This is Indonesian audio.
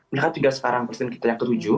mereka juga sekarang presiden kita yang ke tujuh